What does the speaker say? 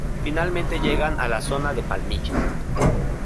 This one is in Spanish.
Finalmente llegan a la zona de Palmilla.